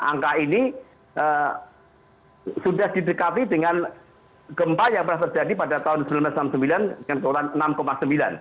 dan angka ini sudah didekati dengan gempa yang pernah terjadi pada tahun seribu sembilan ratus enam puluh sembilan dengan kualitas enam sembilan